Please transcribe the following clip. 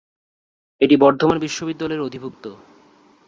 এটি বর্ধমান বিশ্ববিদ্যালয়ের অধিভুক্ত।